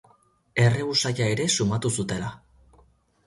Erre usaia ere sumatu zutela.